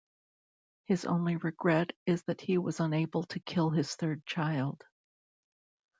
His only regret is that he was unable to kill his third child.